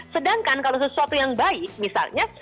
sedangkan kalau sesuatu yang baik misalnya